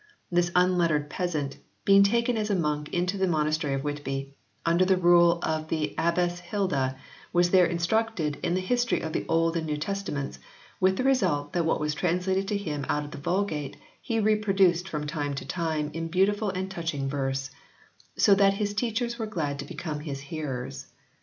This unlettered peasant, being taken as a monk into the monastery at Whitby, under the rule of the Abbess Hilda, was there instructed in the history of the Old and New Testaments, with the result that what was translated to him out of the Vulgate he reproduced from time to time in beautiful and touching verse :" so that his teachers were glad to become his hearers."